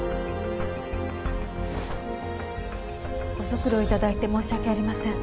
ご足労頂いて申し訳ありません。